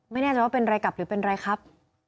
ไม่แน่ใจว่าเป็นอะไรกลับหรือเป็นอะไรครับ